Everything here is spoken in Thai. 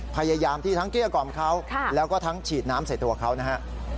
พยายามที่ทั้งเกลี้ยกล่อมเขาแล้วก็ทั้งฉีดน้ำใส่ตัวเขานะฮะ